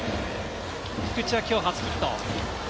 菊池はきょう初ヒット。